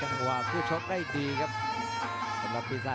ในที่ข้างนี้นี่คือเบอร์ต้นเลยครับ